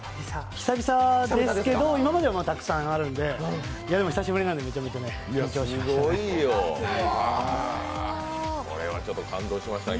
久々ですけど、今まではたくさんあるんででも久しぶりなんで、めちゃめちゃ緊張しました。